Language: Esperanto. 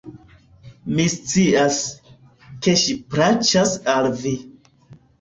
Mi scias, ke ŝi plaĉas al Vi.